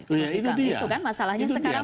itu kan masalahnya sekarang